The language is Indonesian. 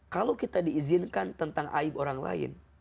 kalau kita diizinkan tentang aib orang lain